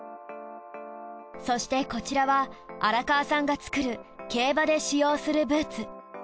そしてこちらは荒川さんが作る競馬で使用するブーツ。